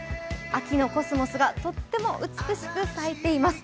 秋のコスモスがとっても美しく咲いています。